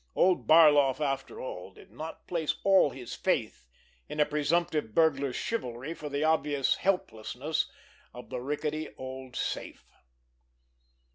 Old Barloff, after all, did not place all his faith in a presumptive burglar's chivalry for the obvious helplessness of the rickety old safe!